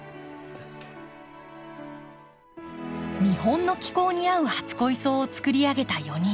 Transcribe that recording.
日本の気候に合う初恋草をつくりあげた４人。